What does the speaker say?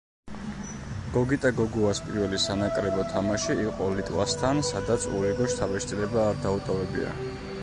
გოგიტა გოგუას პირველი სანაკრებო თამაში იყო ლიტვასთან, სადაც ურიგო შთაბეჭდილება არ დაუტოვებია.